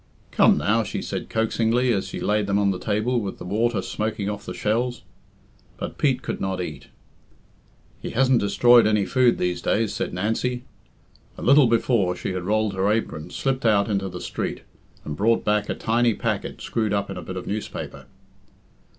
"Come now," she said coaxingly, as she laid them on the table, with the water smoking off the shells. But Pete could not eat. "He hasn't destroyed any food these days," said Nancy. A little before she had rolled her apron, slipped out into the street, and brought back a tiny packet screwed up in a bit of newspaper.